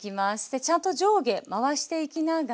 ちゃんと上下回していきながら。